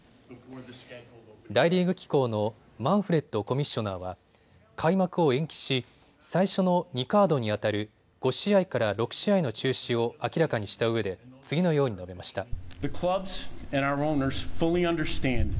大リーグ機構のマンフレッドコミッショナーは開幕を延期し最初の２カードに当たる５試合から６試合の中止を明らかにしたうえで次のように述べました。